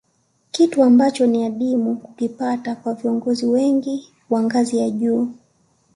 Kitu ambacho ni adimu kukipata kwa viongozi wengine wa ngazi za juu